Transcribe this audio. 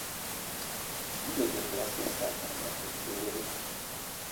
Theology classes are conducted daily.